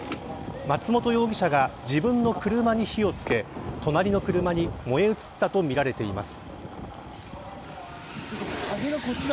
松本容疑者が自分の車に火を付け隣の車に燃え移ったとみられています。